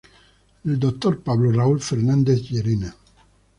Dr. Pablo Raúl Fernández Llerena.